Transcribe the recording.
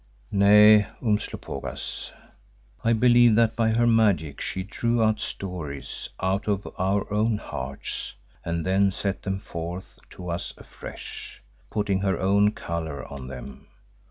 "Nay, Umslopogaas, I believe that by her magic she drew our stories out of our own hearts and then set them forth to us afresh, putting her own colour on them.